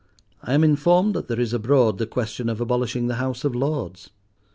I am informed that there is abroad the question of abolishing the House of Lords!